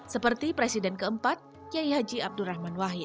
seperti presiden keempat kiai haji abdul rahman wahid